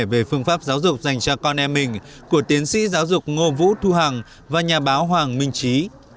về phương pháp giáo dục dành cho con em mình của tiến sĩ giáo dục ngô vũ thu hằng và nhà báo hoàng minh trí